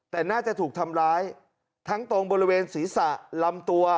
แต่น่าจะถูกทำร้ายทั้งตรงบริเวณศีรษะลำตัว